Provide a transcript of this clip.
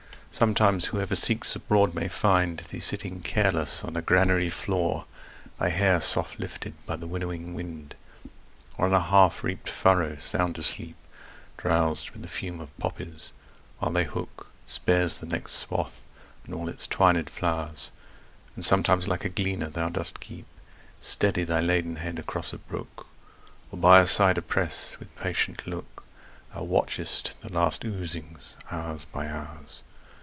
Sometimes whoever seeks abroad may find Thee sitting careless on a granary floor, Thy hair soft lifted by the winnowing wind; Or on a half reap'd furrow sound asleep, Drowsed with the fume of poppies, while thy hook Spares the next swath and all its twined flowers; And sometimes like a gleaner thou dost keep Steady thy laden head across a brook; Or by a cider press, with patient look, Thou watchest the last oozings hours by hours.